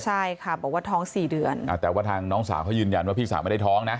ใช่ค่ะบอกว่าท้องสี่เดือนอ่าแต่ว่าทางน้องสาวเขายืนยันว่าพี่สาวไม่ได้ท้องนะ